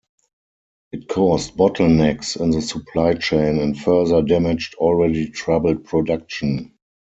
It caused bottlenecks in the supply chain and further damaged already troubled production.